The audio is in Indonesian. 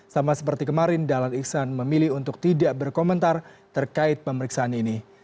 sama seperti kemarin dahlan iksan memilih untuk tidak berkomentar terkait pemeriksaan ini